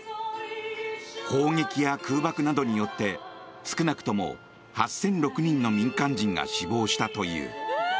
砲撃や空爆などによって少なくとも８００６人の民間人が死亡したという。